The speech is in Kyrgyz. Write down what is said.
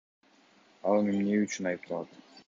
Ал эми эмне үчүн айыпталат?